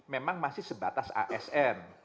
memang masih sebatas asn